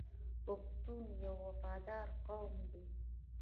پښتون یو وفادار قوم دی.